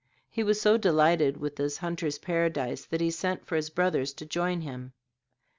He was so delighted with this hunters' paradise that he sent for his brothers to join him.